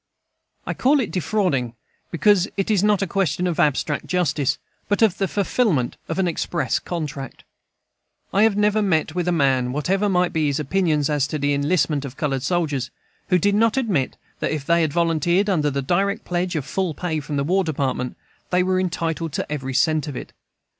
I call it defrauding, because it is not a question of abstract justice, but of the fulfilment of an express contract I have never met with a man, whatever might be his opinions as to the enlistment of colored soldiers, who did not admit that if they had volunteered under the direct pledge of full pay from the War Department, they were entitled to every cent of it.